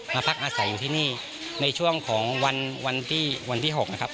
มาพักอาศัยอยู่ที่นี่ในช่วงของวันที่วันที่๖นะครับ